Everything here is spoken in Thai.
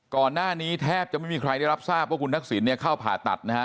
ก่อนหน้านี้แทบจะไม่มีใครได้รับทราบว่าคุณทักษิณเนี่ยเข้าผ่าตัดนะฮะ